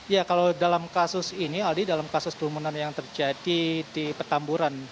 ya kalau dalam kasus ini aldi dalam kasus kerumunan yang terjadi di petamburan